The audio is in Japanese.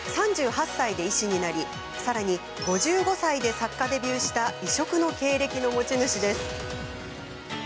３８歳で医師になりさらに５５歳で作家デビューした異色の経歴の持ち主です。